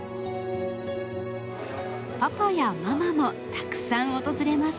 パパやママもたくさん訪れます。